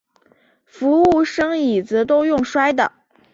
服务生椅子都用摔的